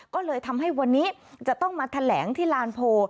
ก็เลยทำให้วันนี้จะต้องมาแถลงที่ลานโพล